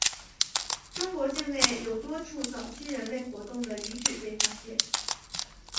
中国境内有多处早期人类活动的遗址被发现。